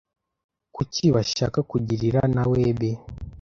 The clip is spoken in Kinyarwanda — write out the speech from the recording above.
Kuki bashaka kugirira nawebi ?